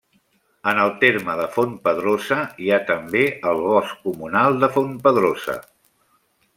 En el terme de Fontpedrosa hi ha també el Bosc Comunal de Fontpedrosa.